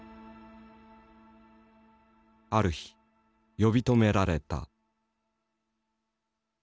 ある日呼び止められた。